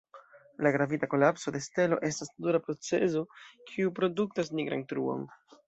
La gravita kolapso de stelo estas natura procezo kiu produktas nigran truon.